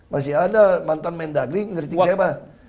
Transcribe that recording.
masih ada mantan mendagri ngerti saya apa